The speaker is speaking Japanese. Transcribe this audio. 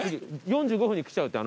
次４５分に来ちゃうって。